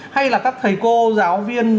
hay là các thầy cô giáo viên